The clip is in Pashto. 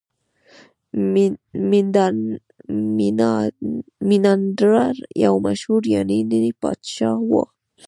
میناندر یو مشهور یوناني پاچا و